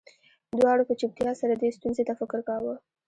دواړو په چوپتیا سره دې ستونزې ته فکر کاوه